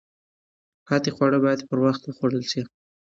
پاتې خواړه باید پر وخت وخوړل شي.